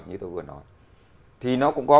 như tôi vừa nói thì nó cũng có